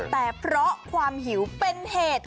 แต่เพราะความหิวเป็นเหตุ